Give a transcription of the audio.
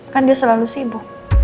kan dia selalu sibuk